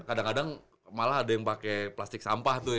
kadang kadang malah ada yang pakai plastik sampah tuh